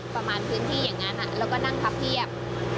ประมาณพื้นที่อย่างนั้นแล้วก็นั่งพับเพียบ